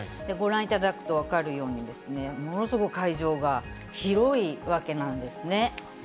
ご覧いただくと分かるように、ものすごい会場が広いわけなんですね。